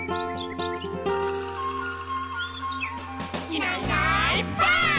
「いないいないばあっ！」